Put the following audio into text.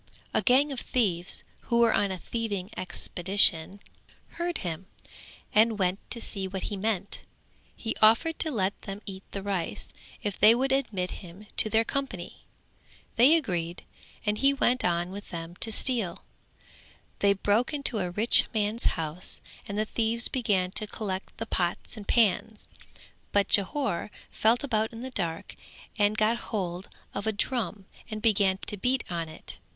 A gang of thieves who were on a thieving expedition heard him and went to see what he meant; he offered to let them eat the rice if they would admit him to their company; they agreed and he went on with them to steal; they broke into a rich man's house and the thieves began to collect the pots and pans but Jhore felt about in the dark and got hold of a drum and began to beat on it.